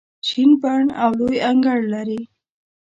شین بڼ او لوی انګړ لري.